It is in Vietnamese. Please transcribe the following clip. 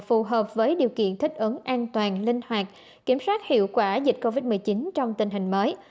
phù hợp với điều kiện thích ứng an toàn linh hoạt kiểm soát hiệu quả dịch covid một mươi chín trong tình hình mới